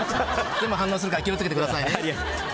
全部反応するから気を付けてくださいね。